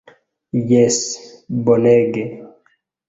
Jes! Bonege.